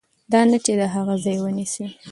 نه دا چې د هغه ځای ونیسي.